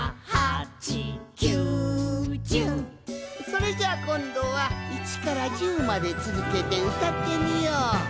「４５６」「７８９１０」「７８９１０」それじゃあこんどは１から１０までつづけてうたってみよう！